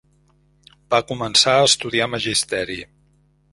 Va començar a estudiar magisteri.